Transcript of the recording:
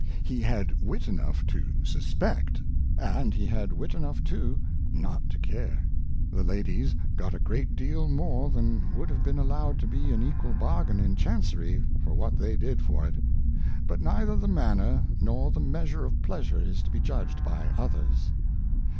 He had Wit enough to suspect, and he had Wit enough too not to care : The Ladies got a great deal more than would have been allowed to be an equal bargain in Chancery, for what they did for it ; but neither the manner, nor the measure of Pleasure is to be judged by others.